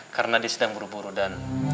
karena dia sedang buru buru dan